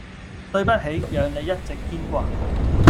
對不起，讓你一直牽掛！